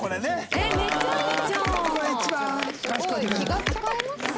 気が使えますね。